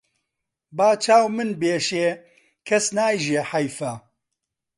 با چاو من بێشێ کەس نایژێ حەیفە